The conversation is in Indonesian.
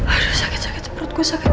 aduh sakit sakit perut gue sakit